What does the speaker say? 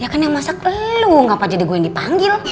ya kan yang masak elu ngapa jadi gua yang dipanggil